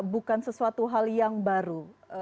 bukan sesuatu hal yang baru